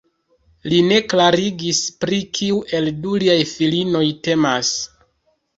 Li ne klarigis pri kiu el du liaj filinoj temas.